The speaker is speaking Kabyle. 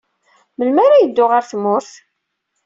Melmi ara yeddu ɣer tmurt?